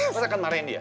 mas akan marahin dia